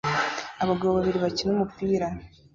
Abagabo babiri bakina umupira